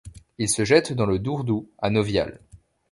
Il se jette dans le Dourdou à Nauviale.